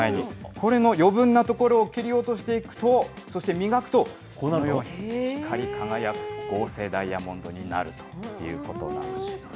これの余分なところを切り落としていくと、そして、磨くとこのように、光り輝く合成ダイヤモンドになるということなんですよね。